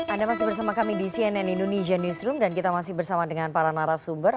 anda masih bersama kami di cnn indonesia newsroom dan kita masih bersama dengan para narasumber